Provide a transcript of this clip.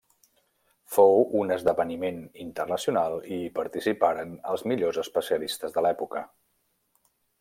Fou un esdeveniment internacional i hi participaren els millors especialistes de l'època.